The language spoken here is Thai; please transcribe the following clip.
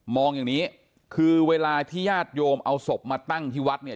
อย่างนี้คือเวลาที่ญาติโยมเอาศพมาตั้งที่วัดเนี่ย